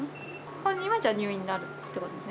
本人は入院になるってことですね。